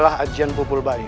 hai anda prabowo